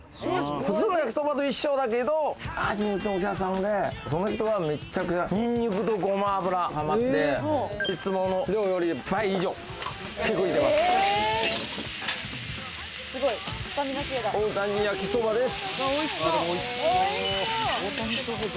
普通の焼きそばと一緒だけど、昔いたお客さんで、その人は、めちゃくちゃニンニクとゴマ油ハマって、いつもの量より倍以上、大谷焼きそばです。